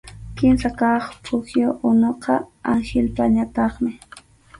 Kimsa kaq pukyu unuqa Anhilpañataqmi.